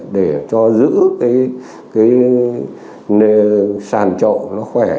để cho giữ cái sàn trộm nó khỏe